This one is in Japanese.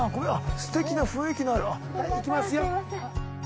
すてきな雰囲気のあるはい行きますよ